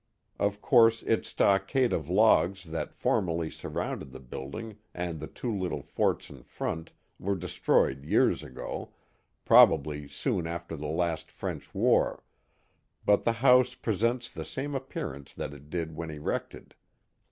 Of course its stockade of logs that formerly surrounded the building and the two little forts in front were destroyed years ago, probably soon after the last French War, but the house presents the same appearance that it did when erected.